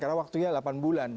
karena waktunya delapan bulan